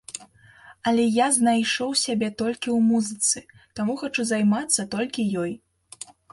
Але я знайшоў сябе толькі ў музыцы, таму хачу займацца толькі ёй.